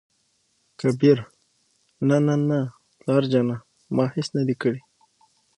کبير : نه نه نه پلاره جانه ! ما هېڅ نه دى کړي.